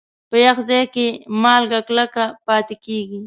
په یخ ځای کې مالګه کلکه پاتې کېږي.